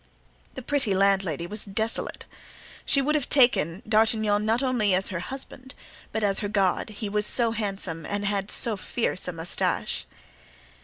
The pretty landlady was desolate. She would have taken D'Artagnan not only as her husband, but as her God, he was so handsome and had so fierce a mustache.